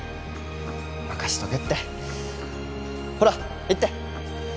任しとけってほら行って！